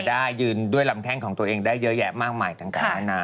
ได้ยืนด้วยลำแข้งของตัวเองได้เยอะแยะมากมายต่างนานา